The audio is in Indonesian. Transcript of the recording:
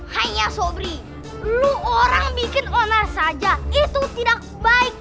hanya sobri lu orang bikin onar saja itu tidak baik